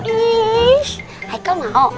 ihh aikal mau